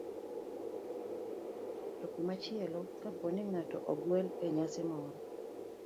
To komachielo, kapo ni ng'ato ogweli e nyasi moro,